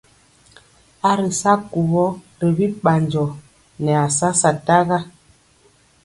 A ri sa kuwɔ ri bi ɓanjɔ nɛ a sa sataga.